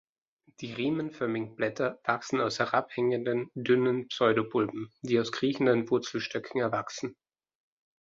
Die riemenförmigen Blätter wachsen aus herabhängenden dünnen Pseudobulben, die aus kriechenden Wurzelstöcken erwachsen.